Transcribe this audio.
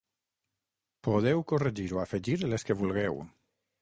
Podeu corregir o afegir les que vulgueu.